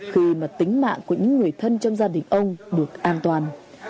khi mà tính mạng của những người thân trong gia đình ông được an toàn